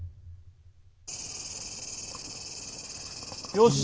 よし。